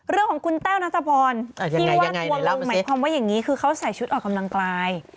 เรื่องของคุณแต้วนัทพรที่ว่าทัวร์ลงหมายความว่าอย่างนี้คือเขาใส่ชุดออกกำลังกาย